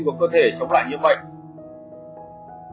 của cơ thể chống lại nhiễm bệnh